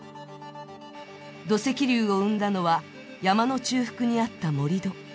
土石流を生んだのは、山の中腹にあった盛り土。